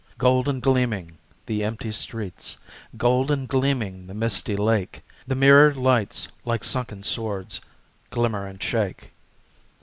Gold and gleaming the empty streets, Gold and gleaming the misty lake, The mirrored lights like sunken swords, Glimmer and shake.